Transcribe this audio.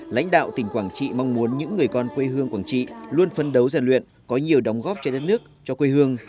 lãnh đạo tỉnh quảng trị mong muốn những người con quê hương quảng trị luôn phấn đấu giàn luyện có nhiều đóng góp cho đất nước cho quê hương